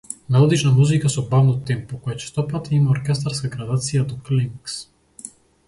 Мелодична музика со бавно темпо, која честопати има оркестарска градација до климакс.